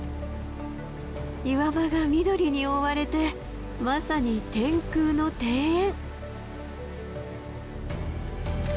岩場が緑に覆われてまさに天空の庭園。